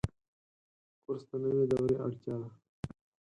کورس د نوي دورې اړتیا ده.